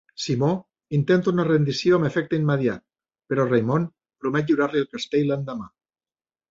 Simó intenta una rendició amb efecte immediat, però Raimon promet lliurar-li el castell l'endemà.